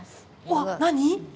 うわっ何！？